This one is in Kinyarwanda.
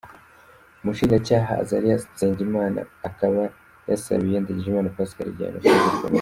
Umushinjacyaha Azarias Nsengimana akaba yasabiye Ndagijimana Pascal igihano cyo gufungwa burundu.